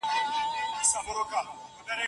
هر انسان په خپل ژوند کې څېړونکی دی.